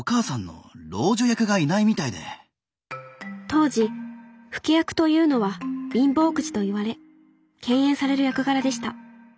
当時老け役というのは貧乏くじと言われ敬遠される役柄でした。